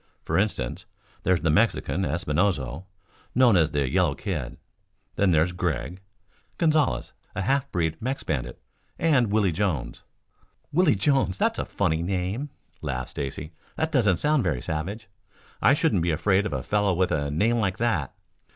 For instance, there's the Mexican, Espinoso, known as the 'Yellow Kid.' Then there's Greg. Gonzales, a half breed Mex bandit, and Willie Jones." "Willie Jones! That's a funny name," laughed Stacy. "That doesn't sound very savage. I shouldn't be afraid of a fellow with a name like that."